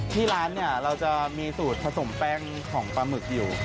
ที่ร้านเนี่ยเราจะมีสูตรผสมแป้งของปลาหมึกอยู่